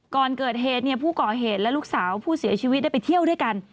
ก่อนเกิดเหตุผู้ก่อเหตุและลูกสาวผู้เสียชีวิตได้ไปเที่ยวด้วยกัน